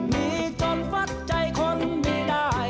มีจนฟัดใจคนไม่ได้